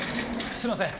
すいません